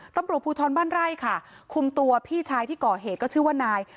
ตำรวจภูทรบ้านไร่ค่ะคุมตัวพี่ชายที่ก่อเหตุก็ชื่อว่านาย